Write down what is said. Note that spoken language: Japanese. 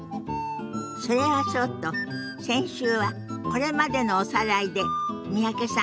それはそうと先週はこれまでのおさらいで三宅さん